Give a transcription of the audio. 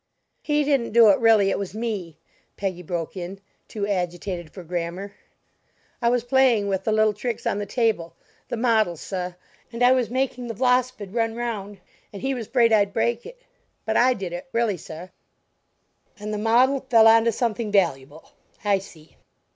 "He didn't do it, really; it was me," Peggy broke in, too agitated for grammar. "I was playing with the little tricks on the table, the models, sah, and I was making the v'losipid run round and he was 'fraid I'd break it; but I did it, really, sah." "And the model fell on to something valuable? I see."